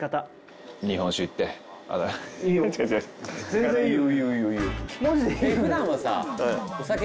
全然いいよ！